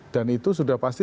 dan itu sudah pasti